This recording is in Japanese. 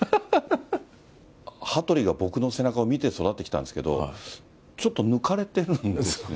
羽鳥が僕の背中を見て育ってきたんですけど、ちょっと抜かれてるんですよ。